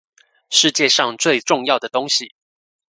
世界上最重要的東西